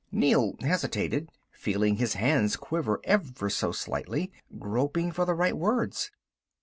Neel hesitated, feeling his hands quiver ever so slightly, groping for the right words.